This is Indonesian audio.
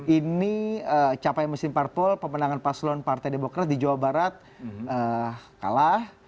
ini capaian mesin parpol pemenangan paslon partai demokrat di jawa barat kalah